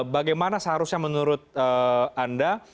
bagaimana seharusnya menurut anda